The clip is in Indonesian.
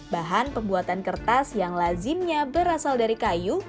bahan pembuatan kertas yang lazimnya berasal dari kayu